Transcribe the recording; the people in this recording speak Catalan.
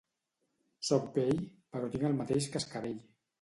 Soc vell, però tinc el mateix cascavell.